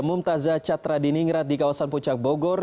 mum taza catra di ningrat di kawasan puncak bogor